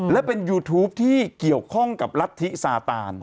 และเป็นยูทูปที่เกี่ยวข้องกับรัฐธิซาตาน